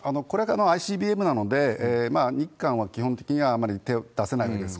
ＩＣＢＭなので、日韓は基本的にはあまり手を出せないわけです。